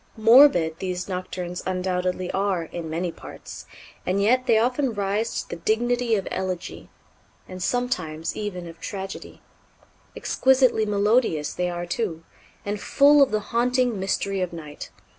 Morbid these Nocturnes undoubtedly are in many parts, and yet they often rise to the dignity of elegy, and sometimes even of tragedy. Exquisitely melodious they are, too, and full of the haunting mystery of night.